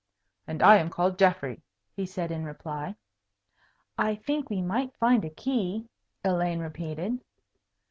"And I am called Geoffrey," he said, in reply. "I think we might find a key," Elaine repeated.